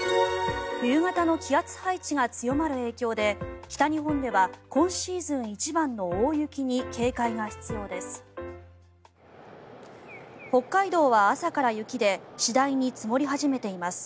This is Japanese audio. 冬型の気圧配置が強まる影響で北日本では今シーズン一番の大雪に警戒が必要です。